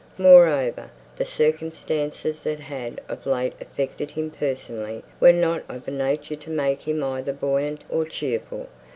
Moreover, the circumstances that had of late affected him personally were not of a nature to make him either buoyant or cheerful.